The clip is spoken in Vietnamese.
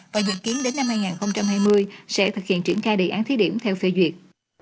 và dự kiến đến năm hai nghìn hai mươi sẽ thực hiện triển khai đề án thí điểm theo phê duyệt